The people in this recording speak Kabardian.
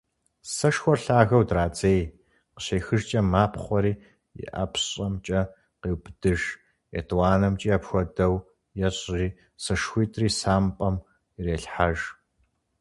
Сэшхуэр лъагэу дредзей, къыщехыжкӀэ мапхъуэри, и ӀэпщӀэмкӀэ къеубыдыж, етӀуанэмкӀи апхуэдэу ещӀри, сэшхуитӀри сампӀэм ирелъхьэж.